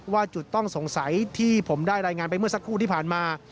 ว่าจุดต้องสงสัยที่ผมได้รายงานไปเมื่อสักครู่ที่ผ่านมา